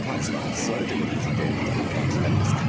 座るということについてどんなことが気になりますか？